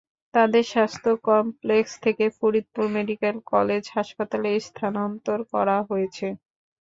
তাঁদের স্বাস্থ্য কমপ্লেক্স থেকে ফরিদপুর মেডিকেল কলেজ হাসপাতালে স্থানান্তর করা হয়েছে।